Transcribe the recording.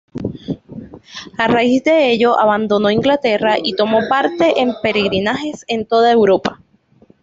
A raíz de ello, abandonó Inglaterra y tomó parte en peregrinajes en toda Europa.